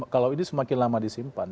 kalau ini semakin lama disimpan